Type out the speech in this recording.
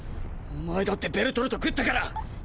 お前だってベルトルト食ったから！！